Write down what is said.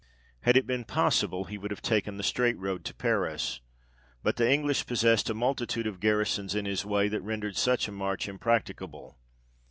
Had it been possible, he would have taken the straight road to Paris, but the English possessed a multitude of garrisons in his way, that rendered such a march impracticable.